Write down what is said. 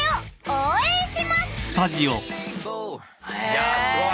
いやすごい！